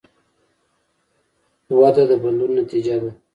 وده د بدلون نتیجه ده.